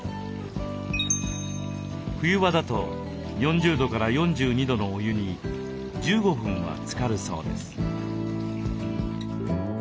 冬場だと４０度から４２度のお湯に１５分はつかるそうです。